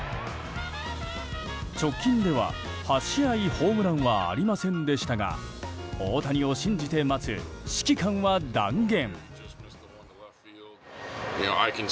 直近では、８試合ホームランはありませんでしたが大谷を信じて待つ指揮官は断言。